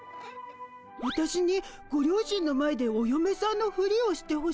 わたしにご両親の前でおよめさんのフリをしてほしいってこと？